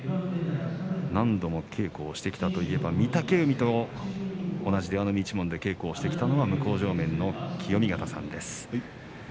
何度も稽古をしてきたといえば御嶽海と同じ出羽海一門で稽古をしてきたのが向正面の清見潟さんです。